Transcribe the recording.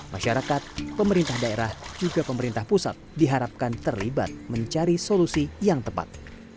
masyarakat pemerintah daerah juga pemerintah pusat diharapkan terlibat mencari solusi yang tepat